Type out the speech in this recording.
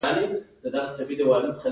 شپږ پنځوسم سوال د کنټرول په اړه دی.